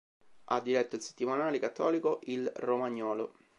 Ha diretto il settimanale cattolico "Il Romagnolo".